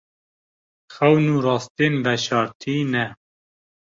Xewn rastiyên veşartî ne.